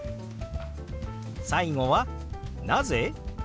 最後は「なぜ？」。